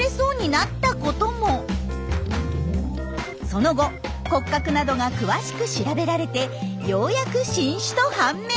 その後骨格などが詳しく調べられてようやく新種と判明！